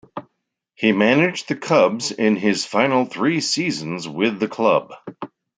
He managed the Cubs in his final three seasons with the club.